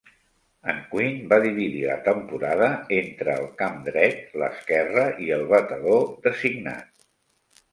En Quinn va dividir la temporada entre el camp dret, l'esquerre i el batedor designat.